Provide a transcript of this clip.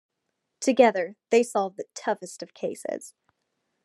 Together, they solve the toughest of cases.